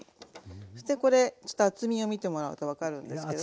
そしてこれちょっと厚みを見てもらうと分かるんですけど。